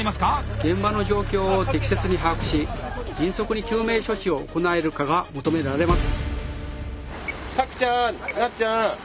現場の状況を適切に把握し迅速に救命処置を行えるかが求められます。